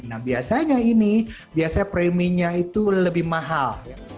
nah biasanya ini biasanya premi nya itu lebih mahal